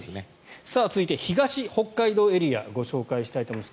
続いて、東北海道エリアご紹介したいと思います。